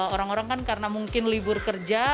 orang orang kan karena mungkin libur kerja